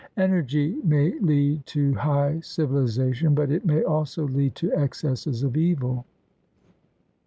Energy may lead to high civilization, but it may also lead to excesses of evil.